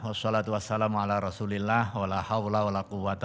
wassalamualaikum warahmatullahi wabarakatuh